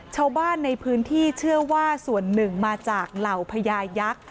ชาวบ้านในพื้นที่เชื่อว่าส่วนหนึ่งมาจากเหล่าพญายักษ์